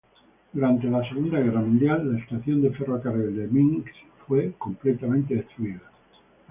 Durante la Segunda Guerra Mundial, la estación de ferrocarril de Minsk fue completamente destruida.